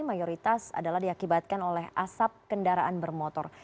mayoritas adalah diakibatkan oleh asap kendaraan bermotor